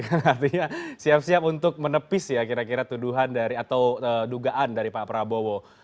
artinya siap siap untuk menepis ya kira kira tuduhan dari atau dugaan dari pak prabowo